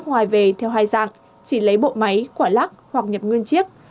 vỏ đồng hồ phải về theo hai dạng chỉ lấy bộ máy quả lắc hoặc nhập nguyên chiếc